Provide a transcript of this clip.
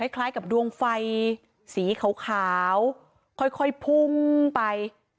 คล้ายกับดวงไฟสีขาวค่อยพุ่งไป